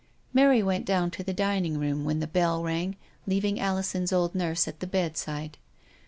Mary went down to the dining room when the bell rang, leaving Alison's old nurse at the bedside.